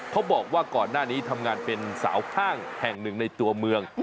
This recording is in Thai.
เขาบอกว่าก่อนหน้านี้ทำงานเป็นสาวข้างแห่งหนึ่งในตัวเมือง